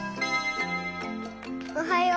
おはよう。